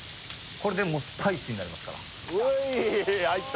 これでもうスパイシーになりますからウェーイ入った！